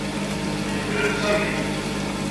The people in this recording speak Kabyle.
Yebren Sami.